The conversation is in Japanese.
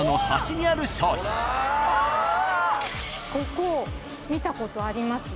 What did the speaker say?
ここ見たことありますよね。